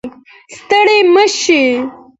ستړی مه شې